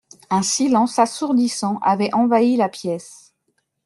Un silence assourdissant avait envahi la pièce.